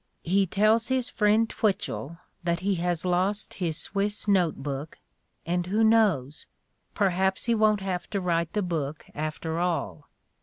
He tells his friend Twitchell that he has lost his Swiss note book, and, who knows? perhaps he won't have to write the book, after all.